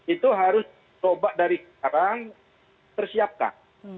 itu harus coba dari sekarang tersiapkan